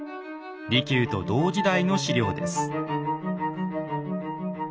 利休と同時代の史料です。